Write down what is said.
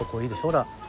ほら。